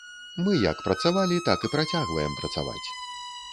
Мы як працавалі, так і працягваем працаваць.